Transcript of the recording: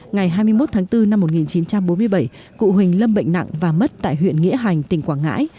ngày hai mươi một tháng bốn năm một nghìn chín trăm bốn mươi bảy cụ huỳnh lâm bệnh nặng và mất tại huyện nghĩa hành tỉnh quảng ngãi